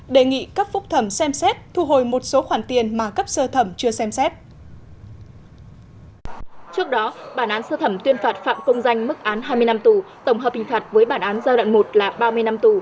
đề nghị cấp phúc thẩm xem xét thu hồi một số khoản tiền mà cấp sơ thẩm chưa xem xét